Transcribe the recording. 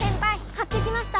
買ってきました！